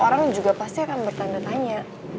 orang juga pasti akan bertanya tanya